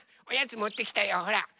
おやつもってきたよほら。